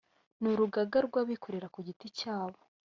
n urugaga rw abikorera ku giti cyabo